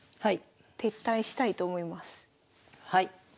はい。